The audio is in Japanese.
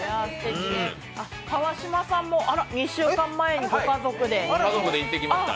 川島さんも２週間前にご家族で。